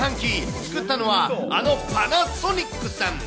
作ったのは、あのパナソニックさん。